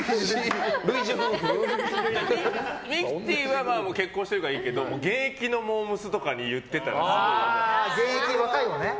ミキティは結婚してるからいいけど現役のモー娘。とかに言ってたら。